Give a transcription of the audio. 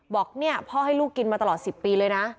บอกเนี่ยพ่อให้ลูกกินมาตลอด๑๐ปีเลยนะ